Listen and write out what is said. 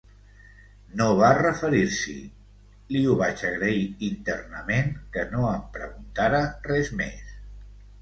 No va referir-s'hi, li ho vaig agrair internament, que no em preguntara res més.